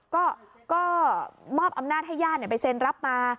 ก็มอบอำนาจให้ญาติไปเซ็นรับมา